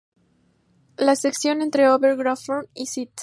La sección entre Ober-Grafendorf y St.